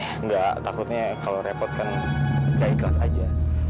enggak takutnya kalau repot kan nggak ikhlas aja